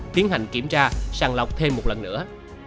tiến hành kiểm tra sàng lọc thêm một lần nữa